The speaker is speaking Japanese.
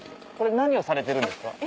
これ何をされてるんですか？